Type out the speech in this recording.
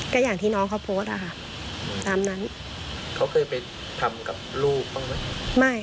ก็อย่างที่น้องเขาโพสต์อะค่ะตามนั้นเขาเคยไปทำกับลูกบ้างไหม